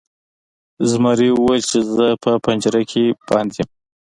زمري وویل چې زه په پنجره کې بند یم.